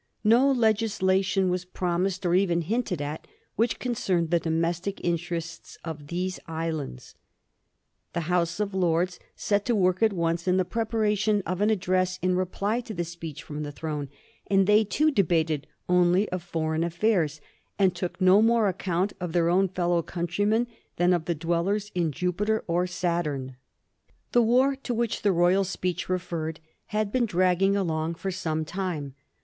No legislation was promised, or even hinted at, which con cerned the domestic interests of these islands. The House of Lords set to work at once in the preparation of an ad dress in reply to the speech from the throne ; and they, too, debated only of foreign affairs, and took no more ac count of their own fellow countrymen than of the dwellers in Jupiter or Saturn. 1735. THE POLISH THRONE. 23 The war to which tho Royal speech rcfeiTed had been dragging along for some time.